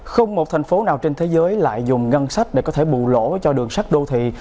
không một thành phố nào trên thế giới lại dùng ngân sách để có thể bù lỗ cho đường sắt đô thị